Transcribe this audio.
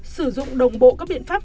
sử dụng đồng bộ các biện pháp